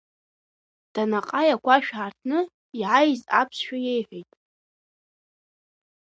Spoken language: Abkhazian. Данаҟаи агәашә аартны иааиз аԥсшәа иеиҳәеит…